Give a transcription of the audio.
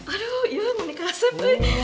aduh iya menikah sepi